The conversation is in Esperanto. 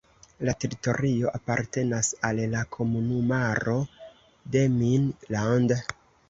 La teritorio apartenas al la komunumaro "Demmin-Land".